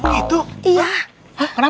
bangun bangun bangun bangun